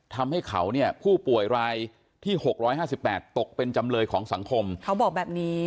ทำให้เขาเนี่ยผู้ป่วยรายที่๖๕๘ตกเป็นจำเลยของสังคมเขาบอกแบบนี้